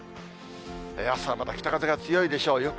あすはまた北風が強いでしょう。